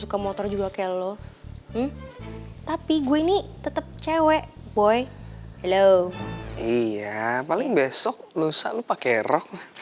suka motor juga ke lo tapi gue ini tetep cewek boy hello iya paling besok lusa lu pakai rock